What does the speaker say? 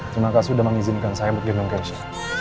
terima kasih sudah mengizinkan saya memegang keisha